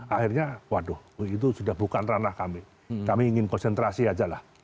akhirnya waduh itu sudah bukan ranah kami kami ingin konsentrasi aja lah